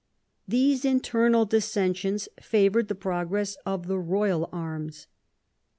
These internal dissensions favoured the progress of the royal arms.